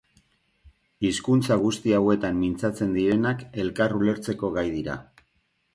Hizkuntza guzti hauetan mintzatzen direnak elkar ulertzeko gai dira.